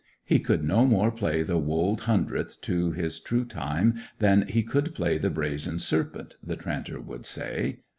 'He could no more play the Wold Hundredth to his true time than he could play the brazen serpent,' the tranter would say.